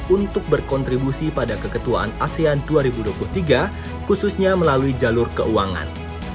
untuk berkontribusi pada keketuaan asean dua ribu dua puluh tiga khususnya melalui jalur keuangan